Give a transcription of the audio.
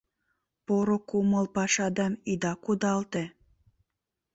Поро кумыл пашадам ида кудалте.